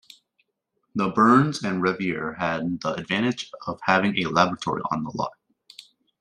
The Burns and Revier had the advantage of having a laboratory on the lot.